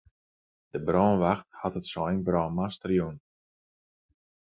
De brânwacht hat it sein brân master jûn.